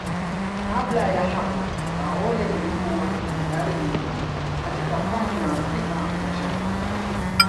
Kabla ya hapo Kaole ilikuwa bandari muhimu katika pwani ya Afrika Mashariki